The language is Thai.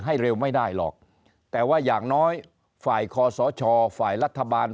เร็วไม่ได้หรอกแต่ว่าอย่างน้อยฝ่ายคอสชฝ่ายรัฐบาล